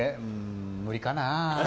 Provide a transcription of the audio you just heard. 無理かな？